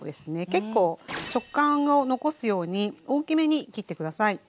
結構食感を残すように大きめに切って下さい。